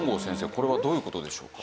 これはどういう事でしょうか？